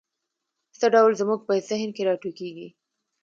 څه ډول زموږ په ذهن کې را ټوکېږي؟